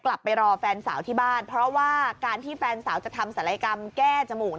กลับไปรอแฟนสาวที่บ้านเพราะว่าการที่แฟนสาวจะทำศัลยกรรมแก้จมูก